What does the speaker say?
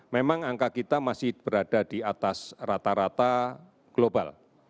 memang angka kita masih berada di atas rata rata global